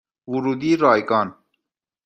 ورودی رایگان